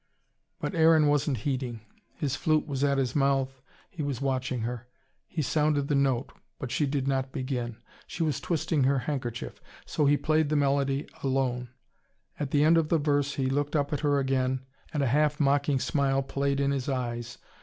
But Aaron wasn't heeding. His flute was at his mouth, he was watching her. He sounded the note, but she did not begin. She was twisting her handkerchief. So he played the melody alone. At the end of the verse, he looked up at her again, and a half mocking smile played in his eyes.